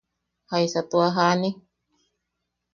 ¿Jaisa tua jani?